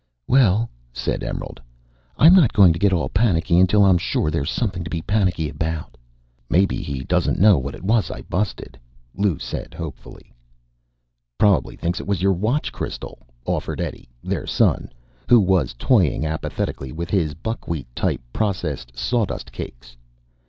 "Well," said Emerald, "I'm not going to get all panicky until I'm sure there's something to be panicky about." "Maybe he doesn't know what it was I busted," Lou said hopefully. "Probably thinks it was your watch crystal," offered Eddie, their son, who was toying apathetically with his buckwheat type processed sawdust cakes.